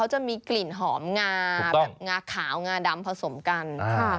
จะมีกลิ่นหอมงาแบบงาขาวงาดำผสมกัน